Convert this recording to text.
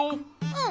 うん。